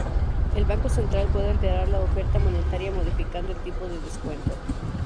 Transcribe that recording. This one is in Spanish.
El banco central puede alterar la oferta monetaria modificando el tipo de descuento.